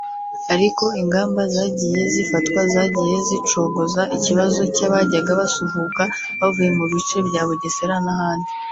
ariko ingamba zagiye zifatwa zagiye zicogoza ikibazo cy’abajyaga basuhuka bavuye mu bice bya Bugesera n’ahandi